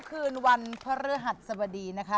ทุกคืนวันพระฤหัสสวัสดีนะคะ